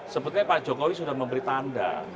sebetulnya pak jokowi sudah memberi tanda